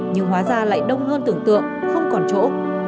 nhưng hóa ra lại đông hơn tưởng tượng không còn chỗ